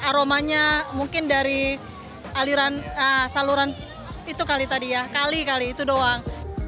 aromanya mungkin dari aliran saluran itu kali tadi ya kali kali itu doang